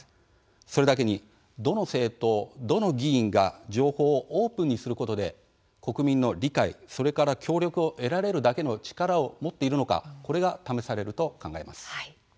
それだけにどの政党、どの議員が情報をオープンにすることで国民の理解、それから協力を得られるだけの力を持っているのかこれが試されると考えます。